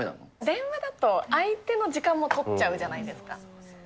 電話だと、相手の時間を取っちゃうじゃないですか。